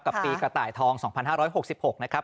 ปีกระต่ายทอง๒๕๖๖นะครับ